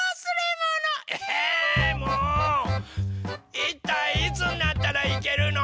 いったいいつになったらいけるの？